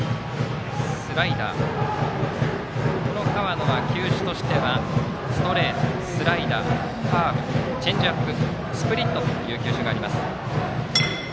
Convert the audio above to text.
この河野は球種としてはストレート、スライダーカーブ、チェンジアップスプリットという球種があります。